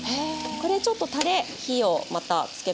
これちょっとたれ火をまたつけます。